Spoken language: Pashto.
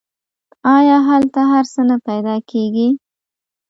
آیا هلته هر څه نه پیدا کیږي؟